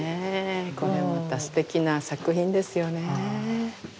これまたすてきな作品ですよねえ。